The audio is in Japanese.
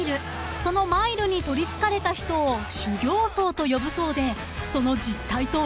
［そのマイルに取りつかれた人を修行僧と呼ぶそうでその実態とは］